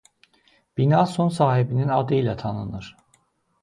Bina son sahibinin adı ilə tanınır.